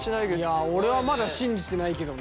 いや俺はまだ信じてないけどね。